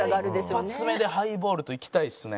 これ一発目でハイボールといきたいですね。